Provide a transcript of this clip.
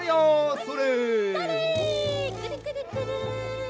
くるくるくる！